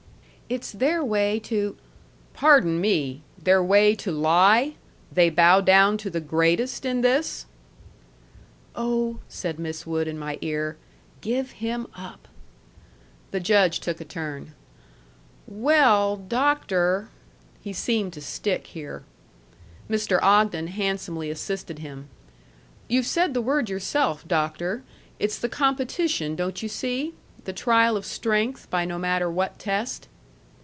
"It's their way to " "Pardon me. Their way to lie? They bow down to the greatest in this?" "Oh," said Miss Wood in my ear, "give him up." The Judge took a turn. "We ell, Doctor " He seemed to stick here. Mr. Ogden handsomely assisted him. "You've said the word yourself, Doctor. It's the competition, don't you see? The trial of strength by no matter what test."